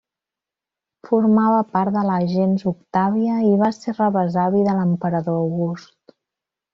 Formava part de la gens Octàvia i va ser rebesavi de l'emperador August.